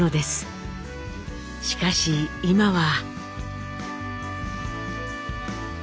しかし今は。